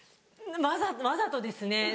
わざわざとですね